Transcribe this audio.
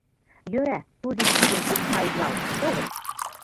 Йӧра, Тузик кужун ыш маитлалт — колыш.